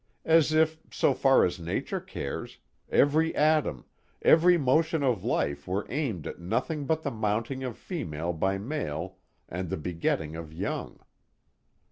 As if, so far as Nature cares, every atom, every motion of life were aimed at nothing but the mounting of female by male and the begetting of young.